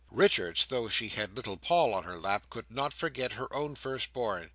Richards, though she had little Paul on her lap, could not forget her own first born.